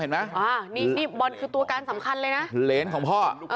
เลยแร้นข้องพ่อ